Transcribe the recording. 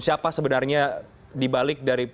siapa sebenarnya dibalik dari